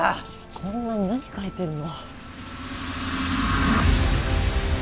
こんなに何描いてるの？